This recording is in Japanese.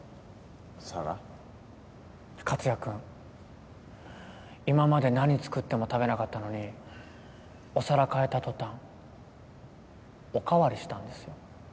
克哉君今まで何作っても食べなかったのにお皿替えた途端お代わりしたんですよ。